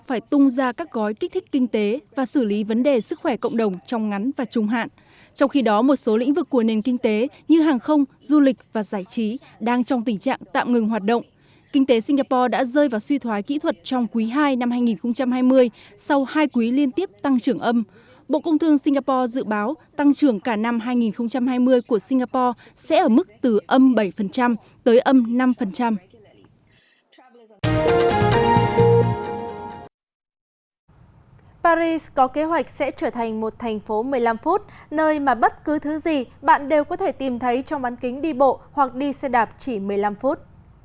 paris có kế hoạch sẽ trở thành một thành phố một mươi năm phút nơi mà bất cứ thứ gì bạn đều có thể tìm thấy trong bán kính đi bộ hoặc đi xe đạp chỉ một mươi năm phút